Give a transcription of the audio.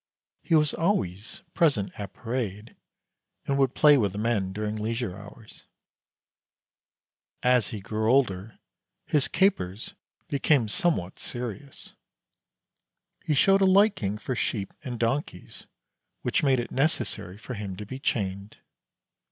He was always present at parade and would play with the men during leisure hours. As he grew older his capers became somewhat serious. He showed a liking for sheep and donkeys, which made it necessary for him to be chained.